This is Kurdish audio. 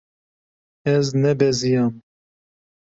Ez nebeziyam.